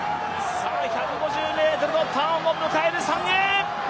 １５０ｍのターンを迎える３泳。